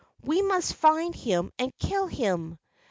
We must find him and kill him."